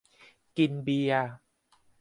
กินเบียร์